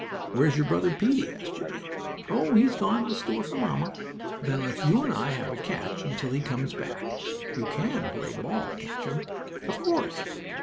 "Where's your brother, Peetie?" asked Jimmie. "Oh, he's gone to the store for mamma." "Then let's you and I have a catch until he comes back. You can play ball, can't you?" "Of course."